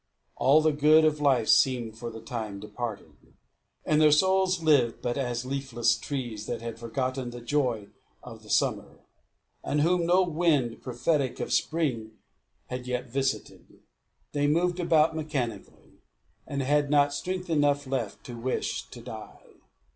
All the good of life seemed for the time departed, and their souls lived but as leafless trees that had forgotten the joy of the summer, and whom no wind prophetic of spring had yet visited. They moved about mechanically, and had not strength enough left to wish to die.